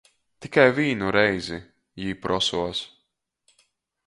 "Tikai vīnu reizi," jī prosuos.